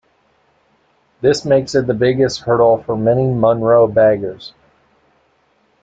This makes it the biggest hurdle for many Munro baggers.